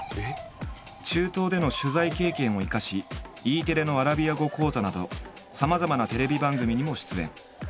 中東での取材経験を生かしＥテレのアラビア語講座などさまざまなテレビ番組にも出演。